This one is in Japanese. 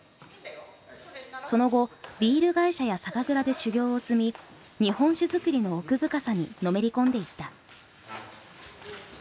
その後ビール会社や酒蔵で修業を積み日本酒造りの奥深さにのめり込んでいった。